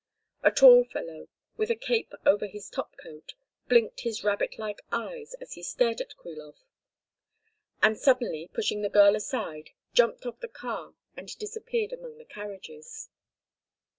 A tall fellow, with a cape over his top coat, blinked his rabbit like eyes as he stared at Krilov, and suddenly, pushing the girl aside, jumped off the car and disappeared among the carriages.